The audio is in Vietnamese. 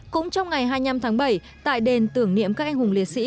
cũng trong ngày hai mươi năm tháng bảy tại đền tưởng niệm các anh hùng liệt sĩ